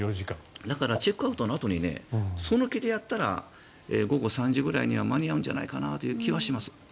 だから、チェックアウトのあとにその気でやったら午後３時くらいには間に合うんじゃないかなという気はします。